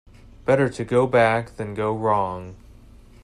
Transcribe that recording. Better to go back than go wrong.